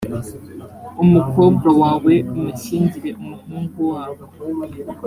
umukobwa wawe umushyingire umuhungu wabo